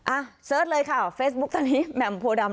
อ่ะเสิร์ชเลยค่ะเฟซบุ๊คตอนนี้แหม่มโพดำ